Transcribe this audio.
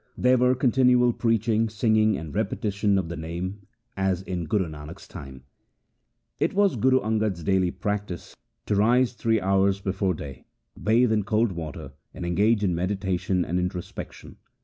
There were continual preaching, singing, and repetition of the Name as in Guru Nanak's time. It was Guru Angad's daily practice to rise three hours before day, bathe in cold water, and engage in meditation and introspection.